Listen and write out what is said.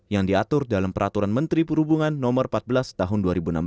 yang diatur dalam peraturan menteri perhubungan no empat belas tahun dua ribu enam belas